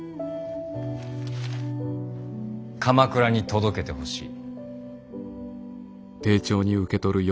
鎌倉に届けてほしい。